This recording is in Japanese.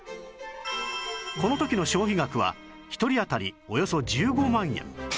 この時の消費額は１人あたりおよそ１５万円